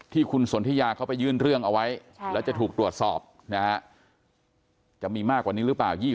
ที่คุณสนทิยาเขาไปยื่นเรื่องเอาไว้แล้วจะถูกตรวจสอบนะฮะจะมีมากกว่านี้หรือเปล่า